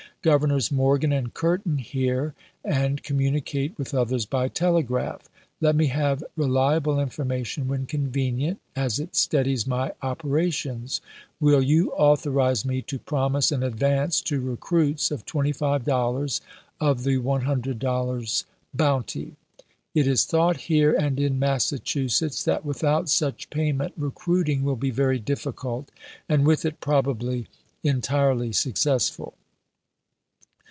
Governors Morgan and Curtin here, and communi cate with others by telegraph. Let me have reliable information when convenient, as it steadies my operations. .. Will you authorize me to promise an advance to recruits of $25 of the $100 bounty ? It is thought here and in Massachusetts that with out such payment recruiting will be very difficult, and with it probably entirely successful."